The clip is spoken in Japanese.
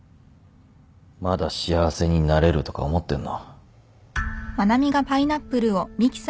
まだ幸せになれるとか思ってんの？